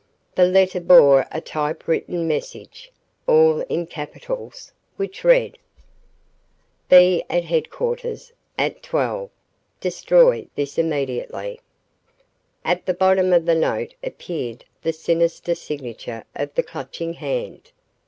The letter bore a typewritten message, all in capitals, which read: "BE AT HEADQUARTERS AT 12. DESTROY THIS IMMEDIATELY." At the bottom of the note appeared the sinister signature of the Clutching Hand.